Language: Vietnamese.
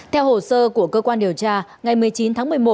theo hồ sơ của cơ quan điều tra ngày một mươi chín tháng một mươi một